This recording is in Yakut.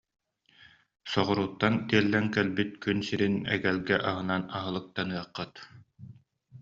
Соҕурууттан тиэллэн кэлбит күн сирин эгэлгэ аһынан аһылыктаныаххыт